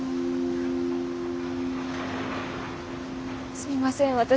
すみません私。